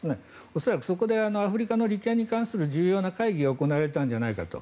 恐らく、そこでアフリカの利権に関する重要な会議が行われていたんじゃないかと。